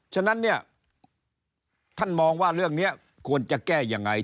ฉะนั้นเนี่ยท่านมองว่าเรื่องนี้ควรจะแก้ยังไง